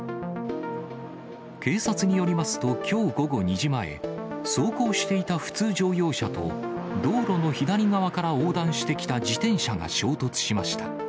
警察によりますと、きょう午後２時前、走行していた普通乗用車と道路の左側から横断してきた自転車が衝突しました。